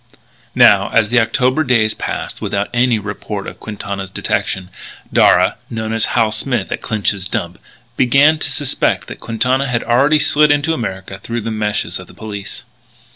Now, as the October days passed without any report of Quintana's detention, Darragh, known as Hal Smith at Clinch's dump, began to suspect that Quintana had already slid into America through the meshes of the police.